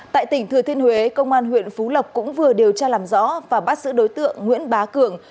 tại tỉnh thừa thiên huế công an huyện phú lộc cũng vừa điều tra làm rõ và bắt giữ đối tượng nguyễn bá cường